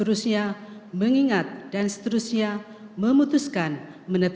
demi allah saya bersumpah